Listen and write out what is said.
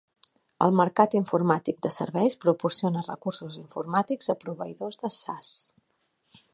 El mercat informàtic de serveis proporciona recursos informàtics a proveïdors de SaaS.